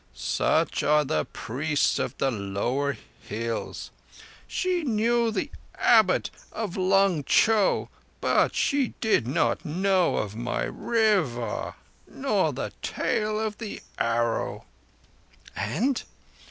Such are the priests of the lower hills! She knew the Abbot of Lung Cho, but she did not know of my River—nor the tale of the Arrow." "And?"